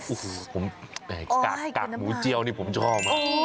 อุ้ยผมกัดหมูเจียวนี่ผมชอบมาก